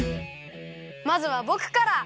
まずはぼくから！